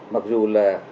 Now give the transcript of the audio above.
mặc dù là